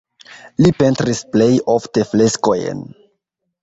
Li pentris plej ofte freskojn.